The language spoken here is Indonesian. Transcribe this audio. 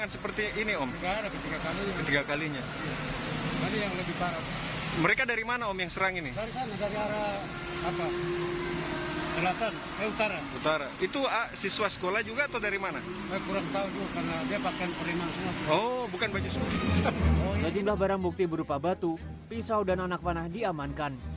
sejumlah barang bukti berupa batu pisau dan anak panah diamankan